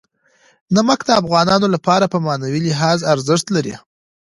نمک د افغانانو لپاره په معنوي لحاظ ارزښت لري.